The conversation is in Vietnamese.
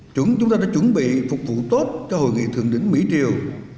chúng ta đã chuẩn bị phục vụ tốt cho hội nghị thượng đỉnh mỹ triều